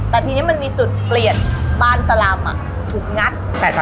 แต่ทีนี้มันมีจุดเปลี่ยนบ้านสลามถูกงัด